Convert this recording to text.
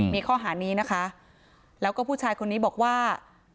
มีข้อหานี้นะคะแล้วก็ผู้ชายคนนี้บอกว่า